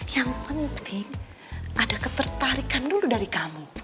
yang penting ada ketertarikan dulu dari kamu